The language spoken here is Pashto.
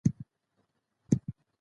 زراعت د افغانستان د طبیعت یوه برخه ده.